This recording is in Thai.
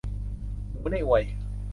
หมูในอวย